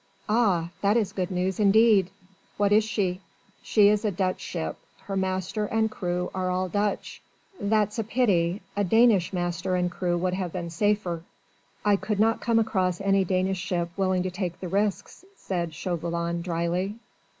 "Ah! that is good news indeed. What is she?" "She is a Dutch ship. Her master and crew are all Dutch...." "That's a pity. A Danish master and crew would have been safer." "I could not come across any Danish ship willing to take the risks," said Chauvelin dryly.